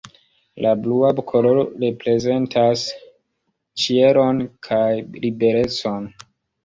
La blua koloro reprezentas ĉielon kaj liberecon.